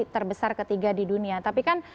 terbesar ketiga di dunia tapi kan